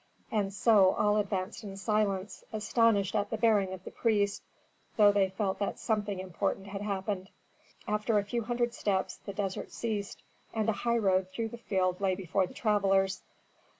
And so all advanced in silence, astonished at the bearing of the priest, though they felt that something important had happened. After a few hundred steps the desert ceased, and a highroad through the field lay before the travellers.